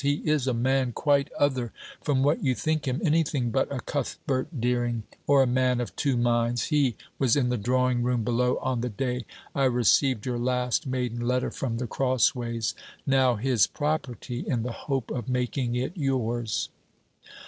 He is a man quite other from what you think him: anything but a "Cuthbert Dering" or a "Man of Two Minds." He was in the drawing room below, on the day I received your last maiden letter from The Crossways now his property, in the hope of making it yours.'